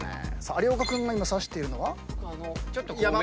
有岡君が今指しているのは？